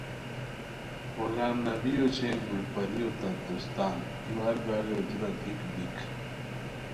غلام نبی اوچے گل پریو تت دوستان ایوال ایوالیو دُورا گیک بیک